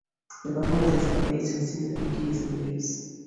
The performances are based on similar ideas and beliefs.